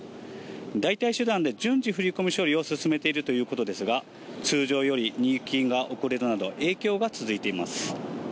代替手段で順次、振り込み処理を進めているということですが、通常より入金が遅れるなど、影響が続いています。